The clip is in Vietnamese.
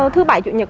thứ bảy chủ nhật